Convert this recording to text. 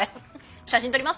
写真撮ります？